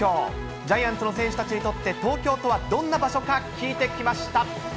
ジャイアンツの選手たちにとって東京とはどんな場所か、聞いてきました。